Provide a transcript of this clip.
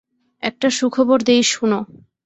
একটা সুখবর দিই শোনো।